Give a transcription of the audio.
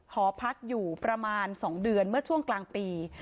หอพักอยู่ประมาณ๒เดือนเมื่อช่วงกลางปี